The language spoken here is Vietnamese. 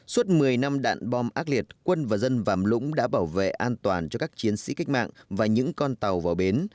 suốt một mươi năm đạn bom ác liệt quân và dân vàm lũng đã bảo vệ an toàn cho các chiến sĩ cách mạng và những con tàu vào bến